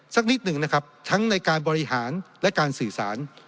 สักนิดหนึ่งนะครับทั้งในการบริหารและการสื่อสาร